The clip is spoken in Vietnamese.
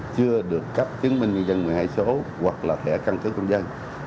chưa được cấp chứng minh nhân dân một mươi hai số hoặc là thẻ cân cước công dân